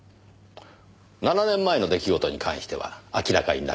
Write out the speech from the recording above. ７年前の出来事に関しては明らかになりました。